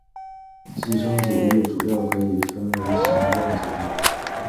寄生阻力主要可以分为形状阻力。